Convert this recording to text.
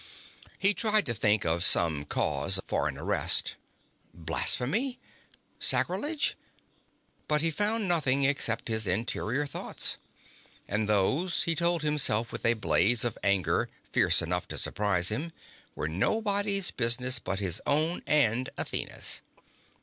He tried to think of some cause for an arrest. Blasphemy? Sacrilege? But he found nothing except his interior thoughts. And those, he told himself with a blaze of anger fierce enough to surprise him, were nobody's business but his own and Athena's.